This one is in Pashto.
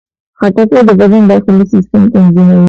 خټکی د بدن داخلي سیستم تنظیموي.